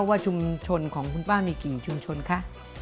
ว่าชุมชนของคุณป้ามีกี่ชุมชนคะ